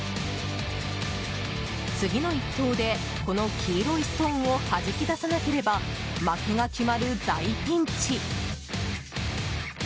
次の１投でこの黄色いストーンをはじき出さなければ負けが決まる大ピンチ。